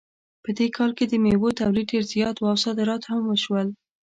په دې کال کې د میوو تولید ډېر زیات و او صادرات هم وشول